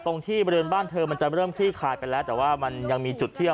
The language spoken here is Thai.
ตรงที่บริเวณบ้านเธอมันจะเริ่มคลี่คลายไปแล้วแต่ว่ามันยังมีจุดเที่ยว